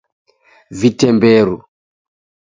Vitemberu